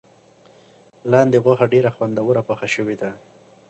لاندي غوښه ډېره خوندوره پخه شوې ده.